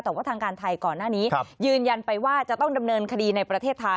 แต่ว่าทางการไทยก่อนหน้านี้ยืนยันไปว่าจะต้องดำเนินคดีในประเทศไทย